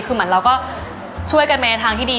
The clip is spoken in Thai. คือเหมือนเราก็ช่วยกันไปในทางที่ดี